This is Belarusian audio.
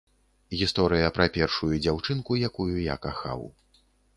Гісторыя пра першую дзяўчынку, якую я кахаў.